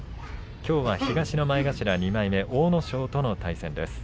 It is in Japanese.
きょうは東の前頭２枚目の阿武咲との対戦です。